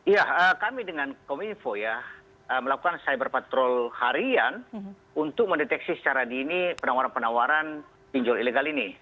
ya kami dengan kominfo ya melakukan cyber patrol harian untuk mendeteksi secara dini penawaran penawaran pinjol ilegal ini